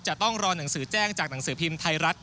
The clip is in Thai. จะต้องรอหนังสือแจ้งจากหนังสือพิมพ์ไทยรัฐ